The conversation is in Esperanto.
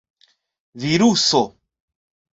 viruso